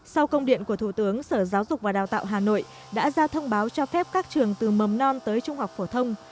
sau công điện của thủ tướng sở giáo dục và đào tạo hà nội đã ra thông báo cho phép các trường từ mầm non tới trung học phổ thông